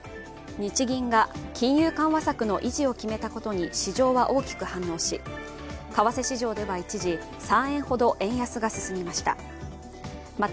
日銀が金融緩和策の維持を決めたことに市場は大きく反応し、為替市場では一時、３円ほど円安が進みました。